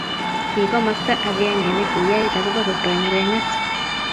Ki komosta agenge negiyait agoba kiprengrengit